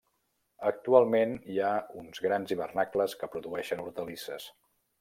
Actualment hi ha uns grans hivernacles que produeixen hortalisses.